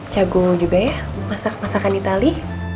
jagung juga ya masak masakan itali